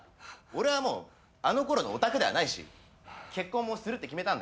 俺はもうあのころのオタクではないし結婚もするって決めたんだよ。